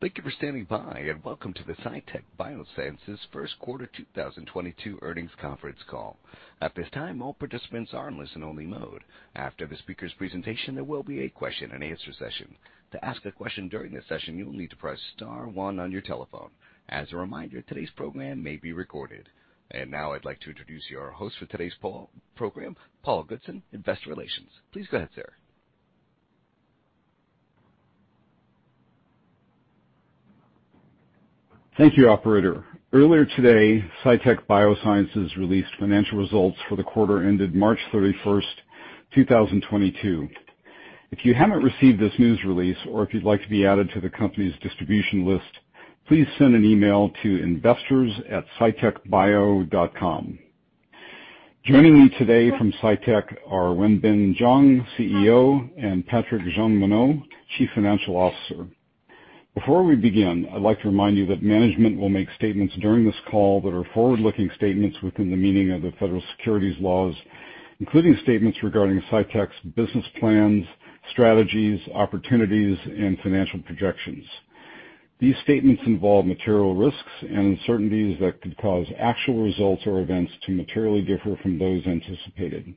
Thank you for standing by, and welcome to the Cytek Biosciences Q1 2022 earnings conference call. At this time, all participants are in listen-only mode. After the speaker's presentation, there will be a question and answer session. To ask a question during this session, you will need to press star one on your telephone. As a reminder, today's program may be recorded. Now I'd like to introduce your host for today's program, Paul Goodson, Investor Relations. Please go ahead, sir. Thank you, operator. Earlier today, Cytek Biosciences released financial results for the quarter ended March 31, 2022. If you haven't received this news release or if you'd like to be added to the company's distribution list, please send an email to investors@cytekbio.com. Joining me today from Cytek are Wenbin Jiang, CEO, and Patrik Jeanmonod, Chief Financial Officer. Before we begin, I'd like to remind you that management will make statements during this call that are forward-looking statements within the meaning of the federal securities laws, including statements regarding Cytek's business plans, strategies, opportunities, and financial projections. These statements involve material risks and uncertainties that could cause actual results or events to materially differ from those anticipated.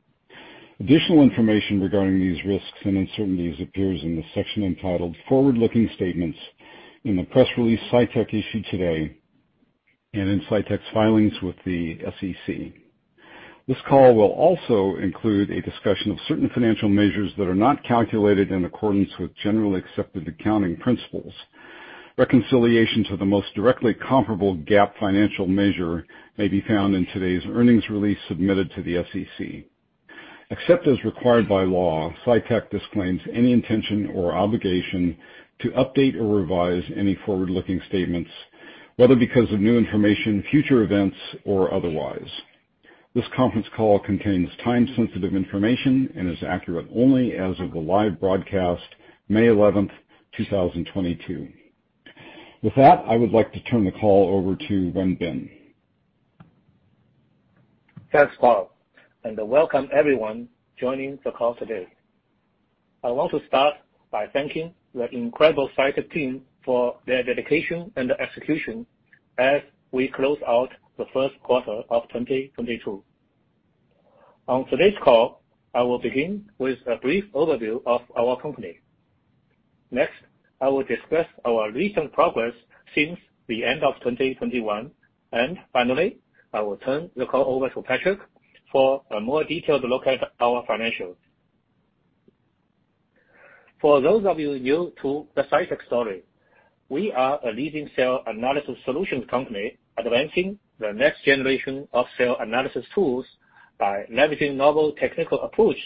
Additional information regarding these risks and uncertainties appears in the section entitled Forward-Looking Statements in the press release Cytek issued today and in Cytek's filings with the SEC. This call will also include a discussion of certain financial measures that are not calculated in accordance with generally accepted accounting principles. Reconciliation to the most directly comparable GAAP financial measure may be found in today's earnings release submitted to the SEC. Except as required by law, Cytek disclaims any intention or obligation to update or revise any forward-looking statements, whether because of new information, future events, or otherwise. This conference call contains time-sensitive information and is accurate only as of the live broadcast, May eleventh, two thousand and twenty-two. With that, I would like to turn the call over to Wenbin. Thanks, Paul, and welcome everyone joining the call today. I want to start by thanking the incredible Cytek team for their dedication and execution as we close out the Q1 of 2022. On today's call, I will begin with a brief overview of our company. Next, I will discuss our recent progress since the end of 2021. Finally, I will turn the call over to Patrik for a more detailed look at our financials. For those of you new to the Cytek story, we are a leading cell analysis solutions company advancing the next generation of cell analysis tools by leveraging novel technical approach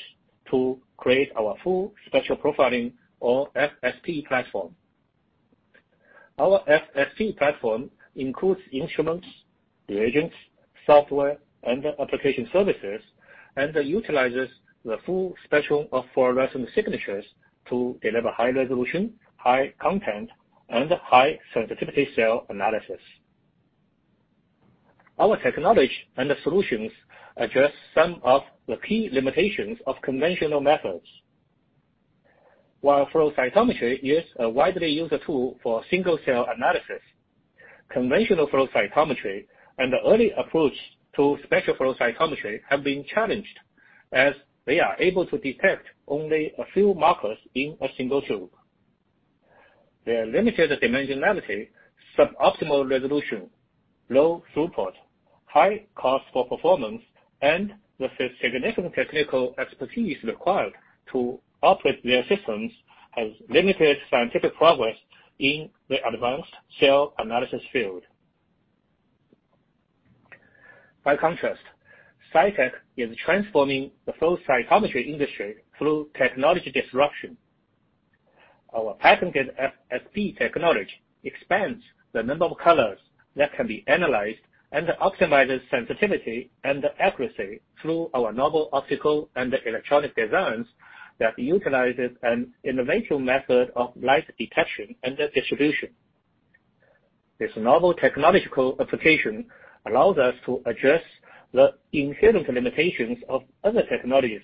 to create our full spectrum profiling or FSP platform. Our FSP platform includes instruments, reagents, software, and application services, and utilizes the full spectrum of fluorescent signatures to deliver high resolution, high content, and high sensitivity cell analysis. Our technology and solutions address some of the key limitations of conventional methods. While flow cytometry is a widely used tool for single cell analysis, conventional flow cytometry and the early approach to spectral flow cytometry have been challenged as they are able to detect only a few markers in a single tube. Their limited dimensionality, sub-optimal resolution, low throughput, high cost for performance, and the significant technical expertise required to operate their systems has limited scientific progress in the advanced cell analysis field. By contrast, Cytek is transforming the flow cytometry industry through technology disruption. Our patented FSP technology expands the number of colors that can be analyzed and optimizes sensitivity and accuracy through our novel optical and electronic designs that utilizes an innovative method of light detection and distribution. This novel technological application allows us to address the inherent limitations of other technologies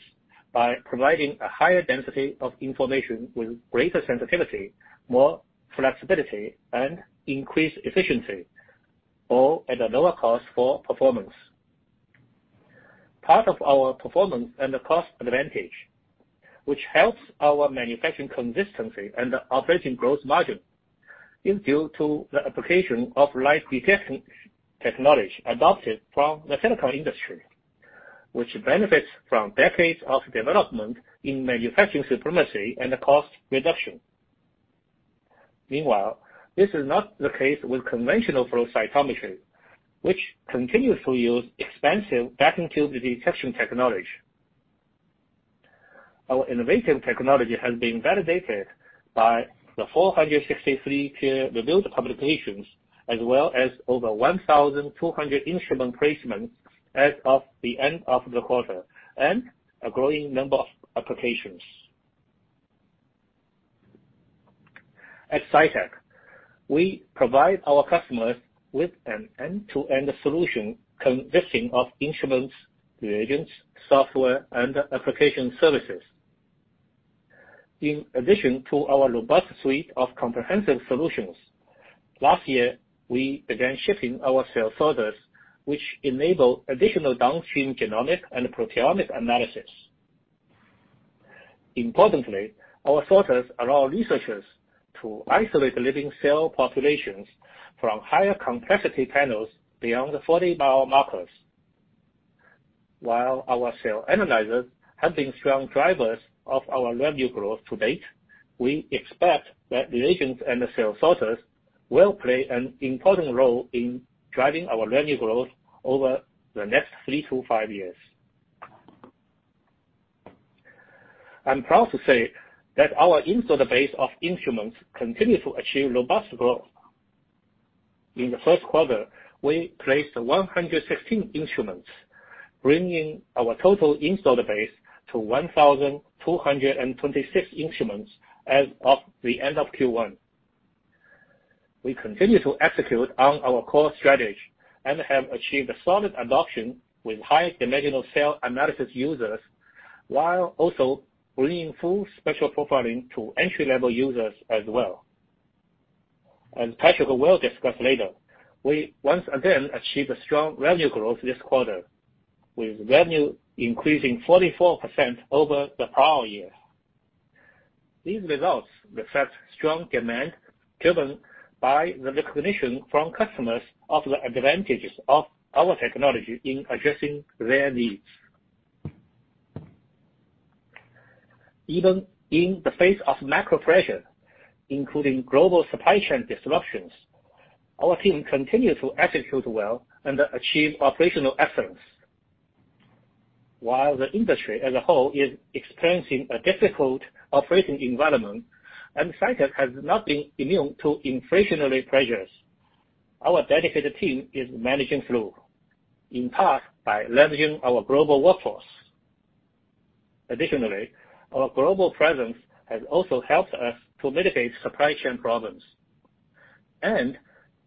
by providing a higher density of information with greater sensitivity, more flexibility, and increased efficiency, all at a lower cost for performance. Part of our performance and cost advantage, which helps our manufacturing consistency and operating gross margin, is due to the application of light detection technology adopted from the silicon industry, which benefits from decades of development in manufacturing supremacy and cost reduction. Meanwhile, this is not the case with conventional flow cytometry, which continues to use expensive vacuum tube detection technology. Our innovative technology has been validated by the 463 peer-reviewed publications, as well as over 1,200 instrument placements as of the end of the quarter, and a growing number of applications. At Cytek, we provide our customers with an end-to-end solution consisting of instruments, reagents, software, and application services. In addition to our robust suite of comprehensive solutions, last year, we began shipping our cell sorters, which enable additional downstream genomic and proteomic analysis. Importantly, our sorters allow researchers to isolate living cell populations from higher complexity panels beyond the 40 biomarkers. While our cell analyzers have been strong drivers of our revenue growth to date, we expect that reagents and the cell sorters will play an important role in driving our revenue growth over the next 3-5 years. I'm proud to say that our installed base of instruments continue to achieve robust growth. In the Q1, we placed 116 instruments, bringing our total installed base to 1,226 instruments as of the end of Q1. We continue to execute on our core strategy and have achieved a solid adoption with high dimensional cell analysis users, while also bringing Full Spectrum Profiling to entry-level users as well. As Patrik will discuss later, we once again achieved a strong revenue growth this quarter, with revenue increasing 44% over the prior year. These results reflect strong demand, driven by the recognition from customers of the advantages of our technology in addressing their needs. Even in the face of macro pressure, including global supply chain disruptions, our team continued to execute well and achieve operational excellence. While the industry as a whole is experiencing a difficult operating environment, and Cytek has not been immune to inflationary pressures, our dedicated team is managing through, in part, by leveraging our global workforce. Additionally, our global presence has also helped us to mitigate supply chain problems, and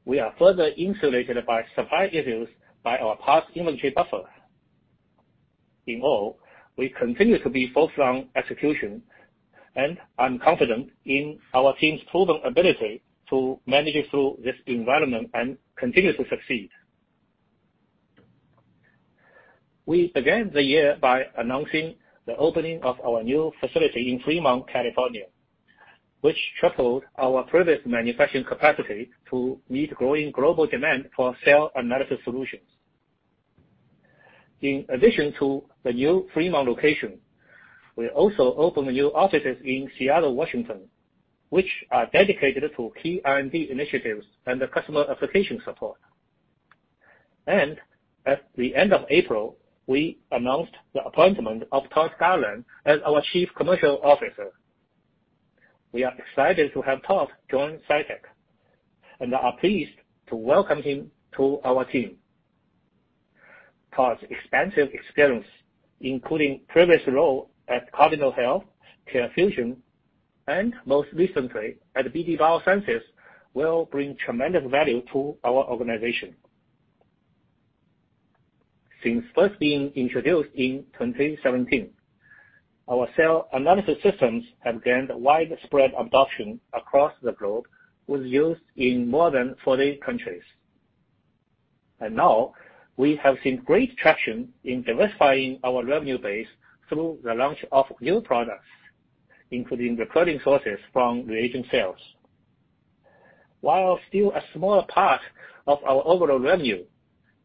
we are further insulated from supply issues by our parts inventory buffer. In all, we continue to show strong execution, and I'm confident in our team's proven ability to manage through this environment and continue to succeed. We began the year by announcing the opening of our new facility in Fremont, California, which tripled our previous manufacturing capacity to meet growing global demand for cell analysis solutions. In addition to the new Fremont location, we also opened new offices in Seattle, Washington, which are dedicated to key R&D initiatives and the customer application support. At the end of April, we announced the appointment of Todd Garland as our Chief Commercial Officer. We are excited to have Todd join Cytek, and are pleased to welcome him to our team. Todd's expansive experience, including previous role at Cardinal Health, CareFusion, and most recently at BD Biosciences, will bring tremendous value to our organization. Since first being introduced in 2017, our cell analysis systems have gained widespread adoption across the globe, with use in more than 40 countries. Now we have seen great traction in diversifying our revenue base through the launch of new products, including recurring sources from reagent sales. While still a small part of our overall revenue,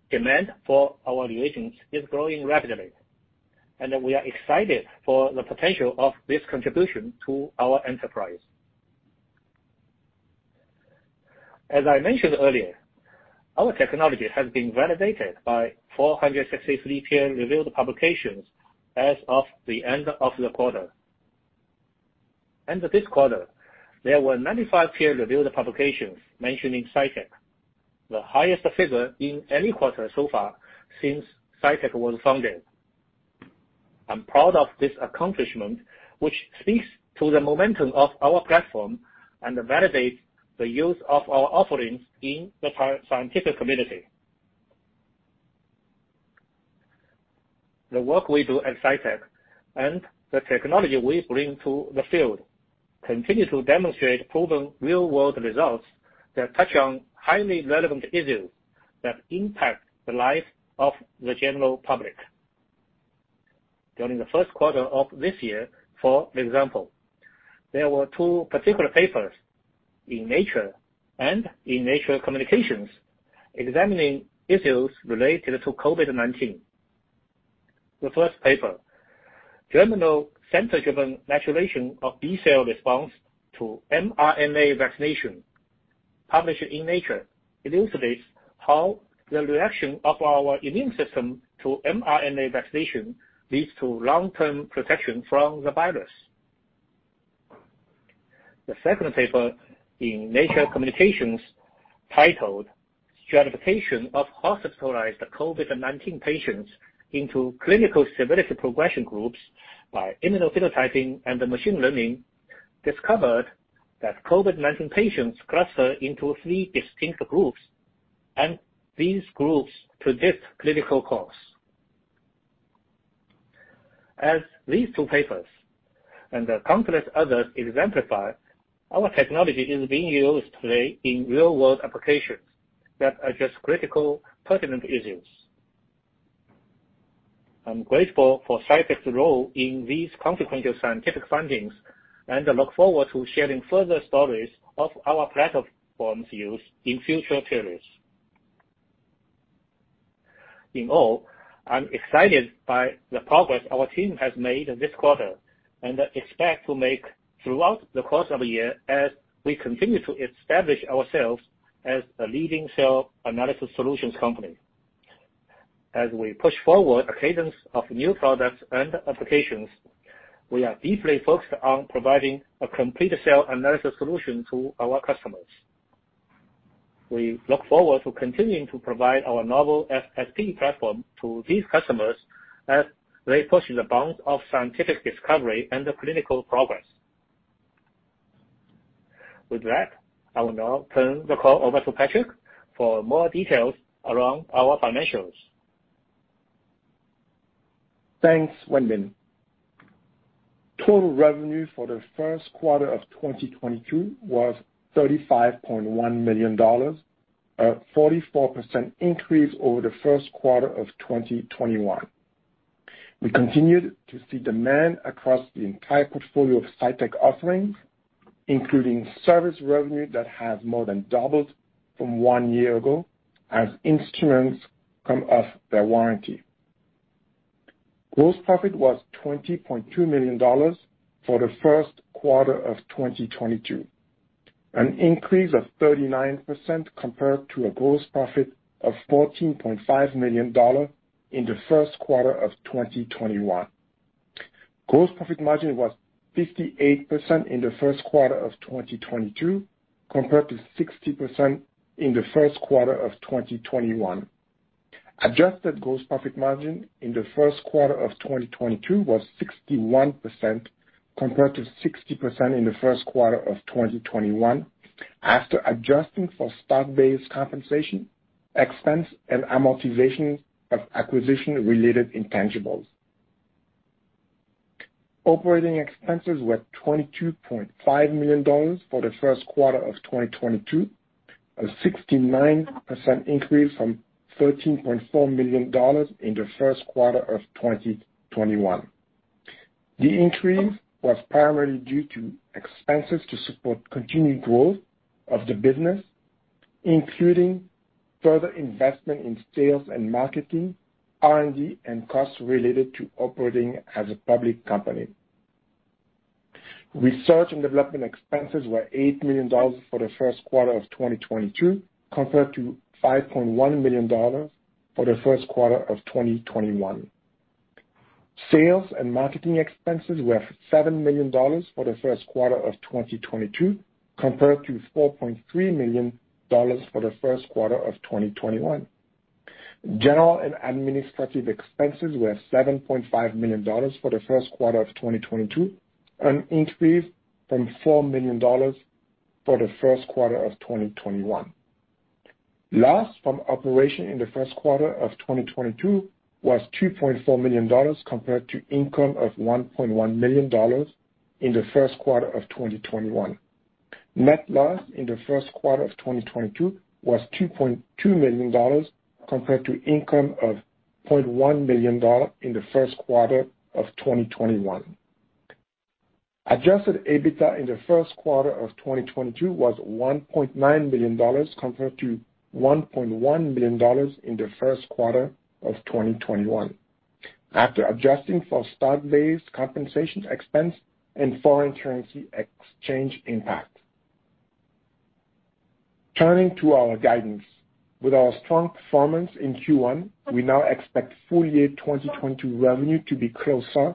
demand for our reagents is growing rapidly, and we are excited for the potential of this contribution to our enterprise. As I mentioned earlier, our technology has been validated by 463 peer-reviewed publications as of the end of the quarter. This quarter, there were 95 peer-reviewed publications mentioning Cytek, the highest figure in any quarter so far since Cytek was founded. I'm proud of this accomplishment, which speaks to the momentum of our platform and validates the use of our offerings in the scientific community. The work we do at Cytek and the technology we bring to the field continue to demonstrate proven real-world results that touch on highly relevant issues that impact the life of the general public. During the Q1 of this year, for example, there were two particular papers in Nature and in Nature Communications examining issues related to COVID-19. The first paper, Germinal Center Driven Maturation of B Cell Response to mRNA Vaccination, published in Nature, illustrates how the reaction of our immune system to mRNA vaccination leads to long-term protection from the virus. The second paper in Nature Communications, titled Stratification of Hospitalized COVID-19 Patients into Clinical Severity Progression Groups by Immunophenotyping and Machine Learning, discovered that COVID-19 patients cluster into three distinct groups. These groups predict clinical course. As these two papers and the countless others exemplify, our technology is being used today in real world applications that address critical pertinent issues. I'm grateful for Cytek's role in these consequential scientific findings, and I look forward to sharing further stories of our platform's use in future periods. In all, I'm excited by the progress our team has made this quarter and expect to make throughout the course of the year as we continue to establish ourselves as a leading cell analysis solutions company. As we push forward a cadence of new products and applications, we are deeply focused on providing a complete cell analysis solution to our customers. We look forward to continuing to provide our novel FSP platform to these customers as they push the bounds of scientific discovery and the clinical progress. With that, I will now turn the call over to Patrik for more details around our financials. Thanks, Wenbin. Total revenue for the Q1 of 2022 was $35.1 million, a 44% increase over the Q1 of 2021. We continued to see demand across the entire portfolio of Cytek offerings, including service revenue that has more than doubled from one year ago as instruments come off their warranty. Gross profit was $20.2 million for the Q1 of 2022, an increase of 39% compared to a gross profit of $14.5 million in the Q1 of 2021. Gross profit margin was 58% in the Q1 of 2022, compared to 60% in the Q1 of 2021. Adjusted gross profit margin in the Q1 of 2022 was 61%, compared to 60% in the Q1 of 2021. After adjusting for stock-based compensation, expense, and amortization of acquisition-related intangibles, operating expenses were $22.5 million for the Q1 of 2022, a 69% increase from $13.4 million in the Q1 of 2021. The increase was primarily due to expenses to support continued growth of the business, including further investment in sales and marketing, R&D, and costs related to operating as a public company. Research and development expenses were $8 million for the Q1 of 2022, compared to $5.1 million for the Q1 of 2021. Sales and marketing expenses were $7 million for the Q1 of 2022, compared to $4.3 million for the Q1 of 2021. General and administrative expenses were $7.5 million for the Q1 of 2022, an increase from $4 million for the Q1 of 2021. Loss from operations in the Q1 of 2022 was $2.4 million, compared to income of $1.1 million in the Q1 of 2021. Net loss in the Q1 of 2022 was $2.2 million, compared to income of $0.1 million in the Q1 of 2021. Adjusted EBITDA in the Q1 of 2022 was $1.9 million, compared to $1.1 million in the Q1 of 2021. After adjusting for stock-based compensation expense and foreign currency exchange impact. Turning to our guidance. With our strong performance in Q1, we now expect full year 2022 revenue to be closer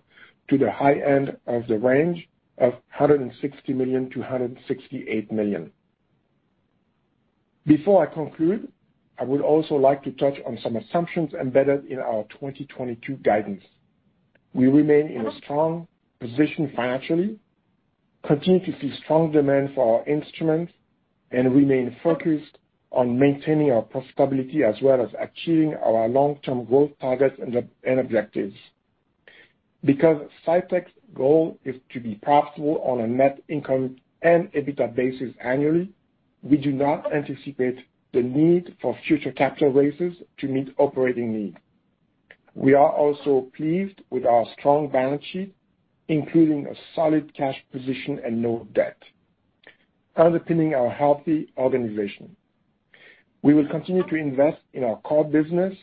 to the high end of the range of $160 million-$168 million. Before I conclude, I would also like to touch on some assumptions embedded in our 2022 guidance. We remain in a strong position financially, continue to see strong demand for our instruments, and remain focused on maintaining our profitability as well as achieving our long-term growth targets and objectives. Because Cytek's goal is to be profitable on a net income and EBITDA basis annually, we do not anticipate the need for future capital raises to meet operating needs. We are also pleased with our strong balance sheet, including a solid cash position and no debt, underpinning our healthy organization. We will continue to invest in our core business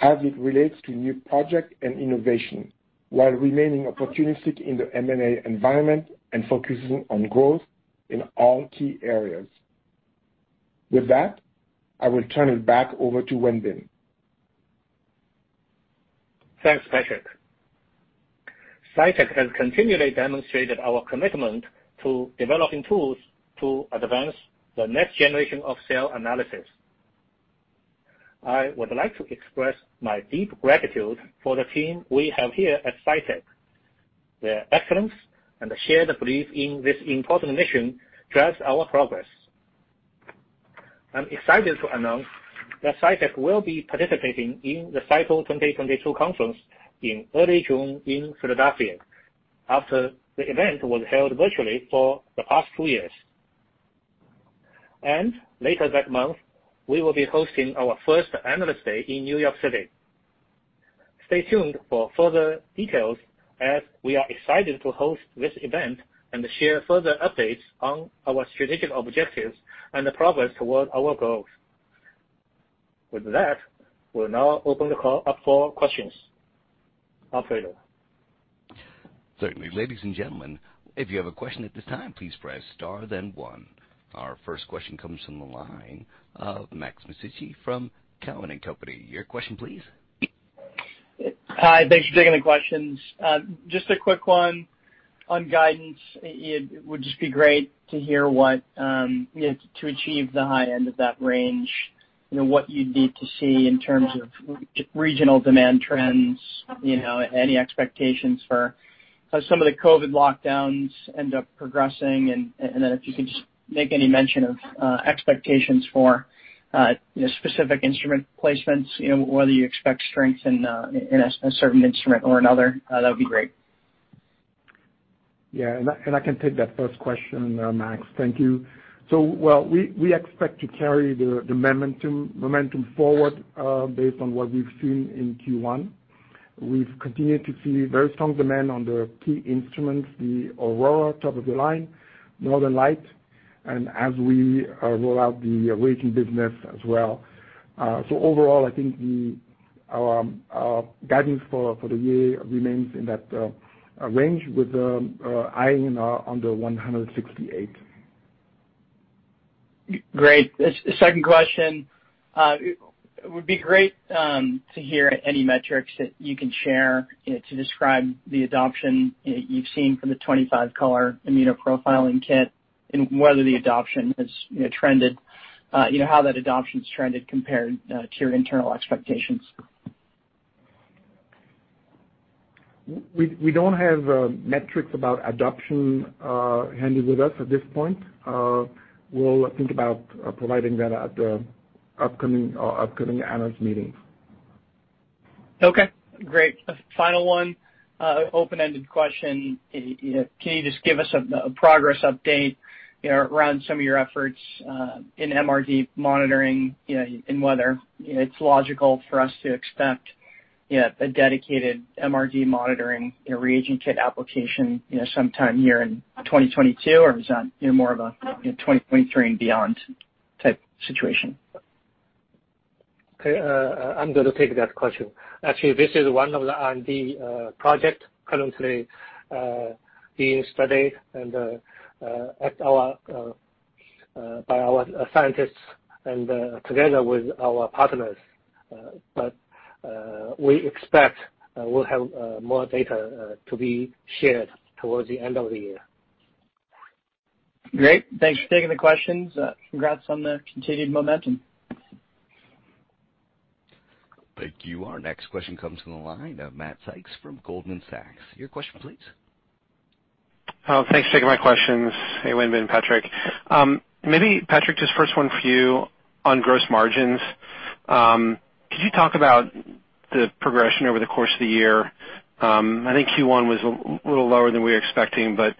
as it relates to new projects and innovation, while remaining opportunistic in the M&A environment and focusing on growth in all key areas. With that, I will turn it back over to Wenbin. Thanks, Patrik. Cytek has continually demonstrated our commitment to developing tools to advance the next generation of cell analysis. I would like to express my deep gratitude for the team we have here at Cytek. Their excellence and the shared belief in this important mission drives our progress. I'm excited to announce that Cytek will be participating in the CYTO 2022 conference in early June in Philadelphia after the event was held virtually for the past two years. Later that month, we will be hosting our first Analyst Day in New York City. Stay tuned for further details as we are excited to host this event and share further updates on our strategic objectives and the progress toward our goals. With that, we'll now open the call up for questions. Operator. Certainly. Ladies and gentlemen, if you have a question at this time, please press star then one. Our first question comes from the line of Max Masucci from Cowen and Company. Your question please. Hi, thanks for taking the questions. Just a quick one on guidance. It would just be great to hear what to achieve the high end of that range, you know, what you'd need to see in terms of regional demand trends, you know, any expectations for how some of the COVID lockdowns end up progressing. If you could just make any mention of expectations for, you know, specific instrument placements, you know, whether you expect strength in a certain instrument or another, that would be great. Yeah. I can take that first question, Max. Thank you. Well, we expect to carry the momentum forward based on what we've seen in Q1. We've continued to see very strong demand for the key instruments, the Aurora, top of the line, Northern Lights, and as we roll out the reagent business as well. Overall, I think our guidance for the year remains in that range with aiming for the $168. Great. A second question. It would be great to hear any metrics that you can share, you know, to describe the adoption, you know, you've seen from the 25-Color Immunoprofiling Kit and whether the adoption has, you know, trended, you know, how that adoption's trended compared to your internal expectations. We don't have metrics about adoption handy with us at this point. We'll think about providing that at the upcoming analyst meeting. Okay, great. A final one, open-ended question. You know, can you just give us a progress update, you know, around some of your efforts in MRD monitoring, you know, and whether, you know, it's logical for us to expect, you know, a dedicated MRD monitoring, you know, reagent kit application, you know, sometime here in 2022, or is that, you know, more of a, you know, 2023 and beyond type situation? Okay, I'm gonna take that question. Actually, this is one of the R&D project currently being studied by our scientists and together with our partners. We expect we'll have more data to be shared towards the end of the year. Great. Thanks for taking the questions. Congrats on the continued momentum. Thank you. Our next question comes from the line of Matt Sykes from Goldman Sachs. Your question please. Oh, thanks for taking my questions. Hey, Wenbin and Patrik. Maybe Patrik, just first one for you on gross margins. Could you talk about the progression over the course of the year? I think Q1 was a little lower than we were expecting, but it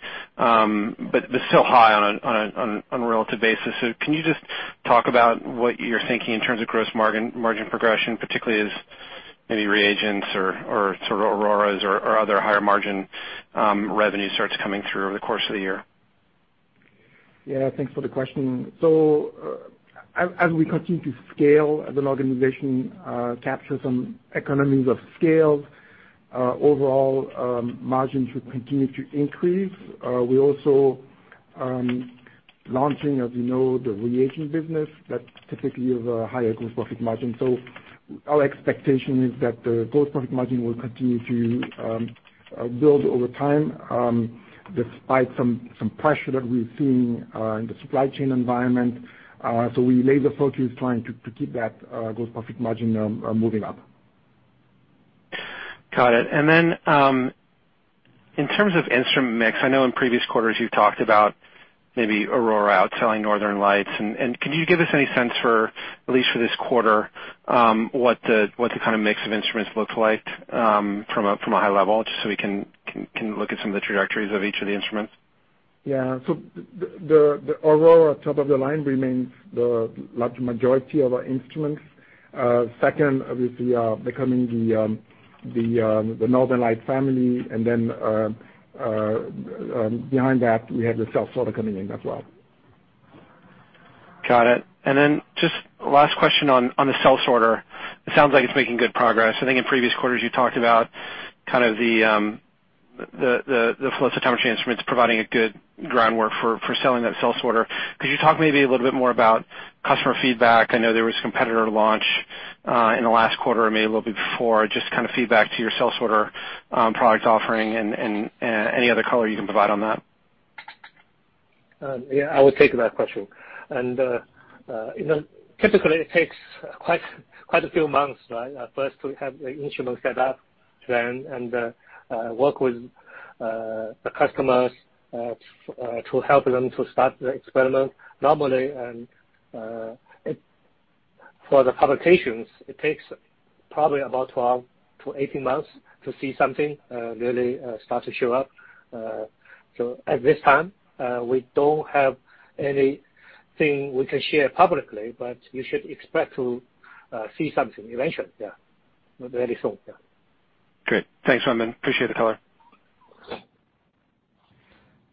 was still high on a relative basis. Can you just talk about what you're thinking in terms of gross margin progression, particularly as maybe reagents or sort of Auroras or other higher margin revenue starts coming through over the course of the year? Yeah, thanks for the question. As we continue to scale as an organization, capture some economies of scale, overall, margins should continue to increase. We're also launching, as you know, the reagent business that's typically of a higher gross profit margin. Our expectation is that the gross profit margin will continue to build over time, despite some pressure that we're seeing in the supply chain environment. We place the focus trying to keep that gross profit margin moving up. Got it. In terms of instrument mix, I know in previous quarters you've talked about maybe Aurora outselling Northern Lights. Can you give us any sense for, at least for this quarter, what the kind of mix of instruments looks like, from a high level, just so we can look at some of the trajectories of each of the instruments? The Aurora top of the line remains the large majority of our instruments. Second, obviously, becoming the Northern Lights family. Behind that, we have the Aurora CS coming in as well. Got it. Just last question on the cell sorter. It sounds like it's making good progress. I think in previous quarters you talked about kind of the flow cytometry instruments providing a good groundwork for selling that cell sorter. Could you talk maybe a little bit more about customer feedback? I know there was competitor launch in the last quarter or maybe a little bit before. Just kind of feedback to your cell sorter product offering and any other color you can provide on that? Yeah, I will take that question. You know, typically it takes quite a few months, right, first to have the instrument set up then and work with the customers to help them to start the experiment. Normally, for the publications, it takes probably about 12-18 months to see something really start to show up. At this time, we don't have anything we can share publicly, but you should expect to see something eventually, yeah. Very soon. Yeah. Great. Thanks, Wenbin. Appreciate the color.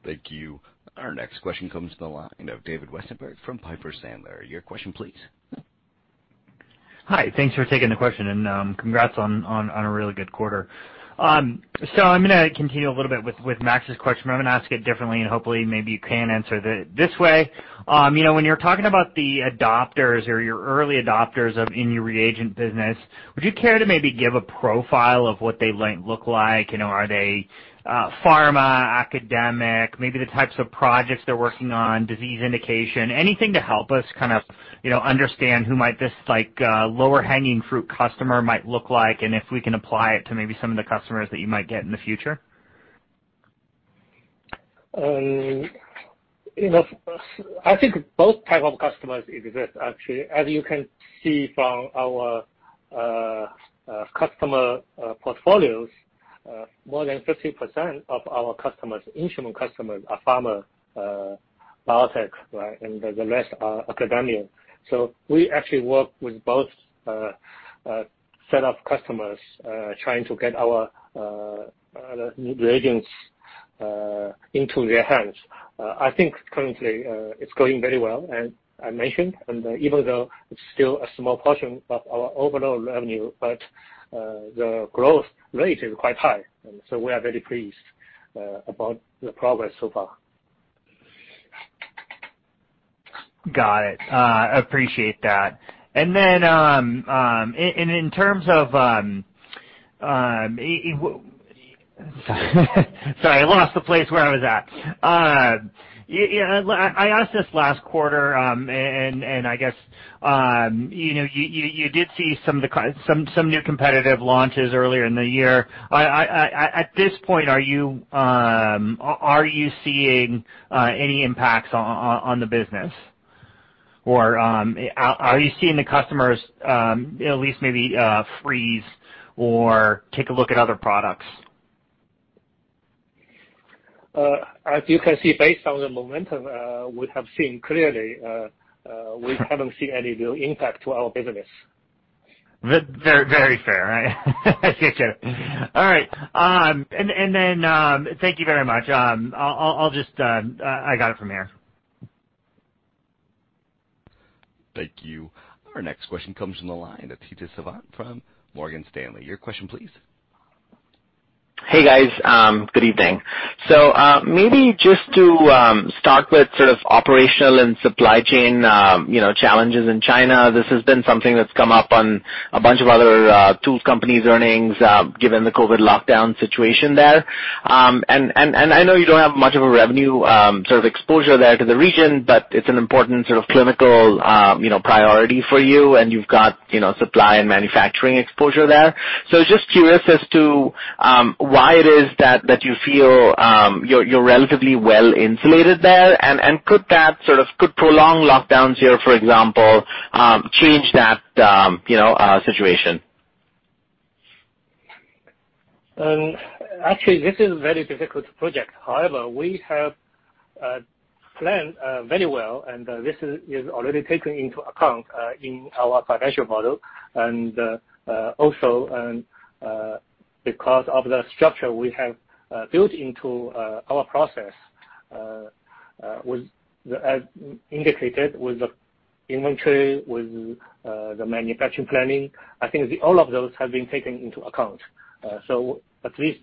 Thank you. Our next question comes from the line of David Westenberg from Piper Sandler. Your question please. Hi. Thanks for taking the question, and congrats on a really good quarter. I'm gonna continue a little bit with Max Masucci's question. I'm gonna ask it differently and hopefully maybe you can answer it this way. You know, when you're talking about the adopters or your early adopters in your reagent business, would you care to maybe give a profile of what they look like? You know, are they pharma, academic, maybe the types of projects they're working on, disease indication? Anything to help us kind of, you know, understand who might this like low-hanging fruit customer might look like and if we can apply it to maybe some of the customers that you might get in the future? You know, I think both type of customers exist actually. As you can see from our customer portfolios, more than 50% of our customers, instrument customers are pharma, biotech, right, and the rest are academia. We actually work with both set of customers, trying to get our reagents into their hands. I think currently it's going very well, as I mentioned. Even though it's still a small portion of our overall revenue, but the growth rate is quite high, and so we are very pleased about the progress so far. Got it. Appreciate that. In terms of, sorry, I lost the place where I was at. Yeah, I asked this last quarter, and I guess you know you did see some of the, some new competitive launches earlier in the year. At this point, are you seeing any impacts on the business? Are you seeing the customers at least maybe freeze or take a look at other products? As you can see, based on the momentum, we have seen clearly, we haven't seen any real impact to our business. Very fair. Right. I see. Sure. All right. Thank you very much. I'll just, I got it from here. Thank you. Our next question comes from the line of Tejas Savant from Morgan Stanley. Your question please. Hey, guys. Good evening. Maybe just to start with sort of operational and supply chain, you know, challenges in China. This has been something that's come up on a bunch of other tools companies' earnings, given the COVID lockdown situation there. I know you don't have much of a revenue sort of exposure there to the region, but it's an important sort of clinical, you know, priority for you, and you've got, you know, supply and manufacturing exposure there. Just curious as to why it is that you feel you're relatively well insulated there, and could that sort of prolong lockdowns here, for example, change that, you know, situation? Actually, this is very difficult to project. However, we have planned very well and this is already taken into account in our financial model. Also, because of the structure we have built into our process, with, as indicated, with the inventory, with the manufacturing planning, I think all of those have been taken into account. At least,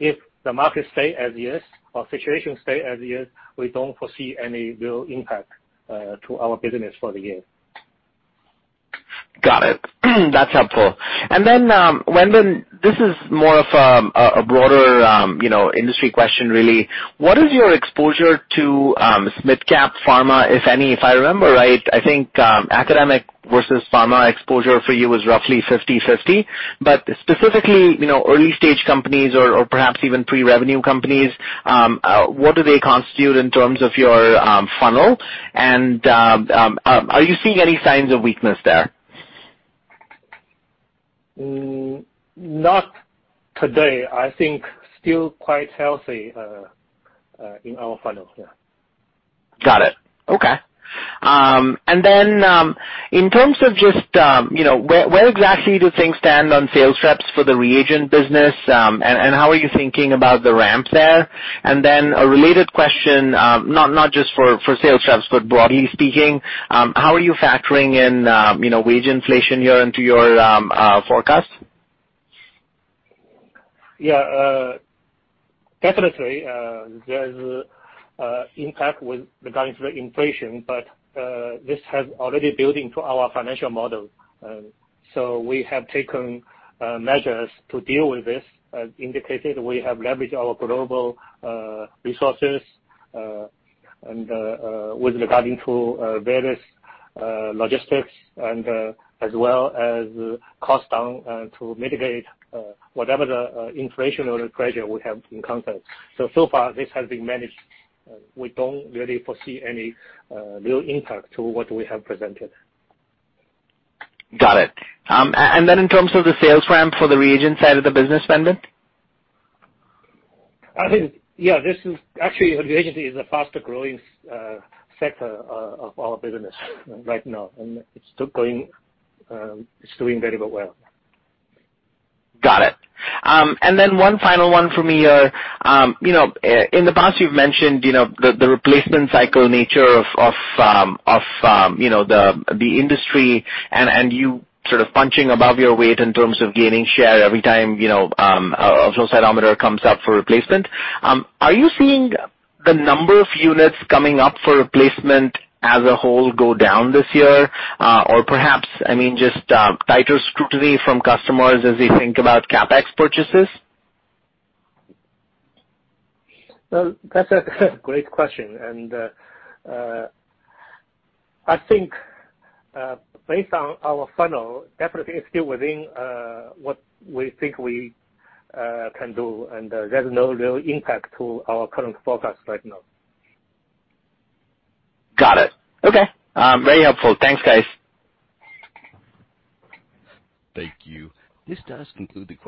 if the market stay as is or situation stay as is, we don't foresee any real impact to our business for the year. Got it. That's helpful. Wenbin, this is more of a broader you know industry question really. What is your exposure to small cap pharma, if any? If I remember right, I think academic versus pharma exposure for you is roughly 50/50. Specifically, you know, early-stage companies or perhaps even pre-revenue companies, what do they constitute in terms of your funnel? Are you seeing any signs of weakness there? Not today. I think still quite healthy, in our funnel. Yeah. Got it. Okay. In terms of just, you know, where exactly do things stand on sales reps for the reagent business, and how are you thinking about the ramp there? A related question, not just for sales reps, but broadly speaking, how are you factoring in, you know, wage inflation here into your forecast? Yeah, definitely, there's a impact with regard to the inflation, but this has already been built into our financial model. So we have taken measures to deal with this. As indicated, we have leveraged our global resources, and with regard to various logistics and as well as cost down to mitigate whatever the inflation or the pressure we have encountered. So far this has been managed. We don't really foresee any real impact to what we have presented. Got it. In terms of the sales ramp for the reagent side of the business, Wenbin? I think, yeah, this is actually, reagent is a faster growing sector of our business right now, and it's still going, it's doing very well. Got it. One final one for me here. You know, in the past, you've mentioned, you know, the replacement cycle nature of the industry and you sort of punching above your weight in terms of gaining share every time, you know, a flow cytometer comes up for replacement. Are you seeing the number of units coming up for replacement as a whole go down this year? Perhaps, I mean, just tighter scrutiny from customers as they think about CapEx purchases? Well, that's a great question. I think based on our funnel, definitely it's still within what we think we can do, and there's no real impact to our current forecast right now. Got it. Okay. Very helpful. Thanks, guys. Thank you. This does conclude the question.